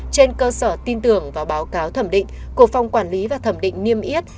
trên cơ sở tin tưởng vào báo cáo thẩm định của phòng quản lý và thẩm định niêm yết